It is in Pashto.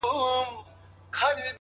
اخلاص د نیکۍ رنګ ژوروي